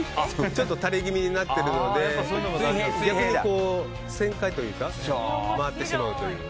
ちょっと垂れ気味になっているので逆に、旋回というか回ってしまうという。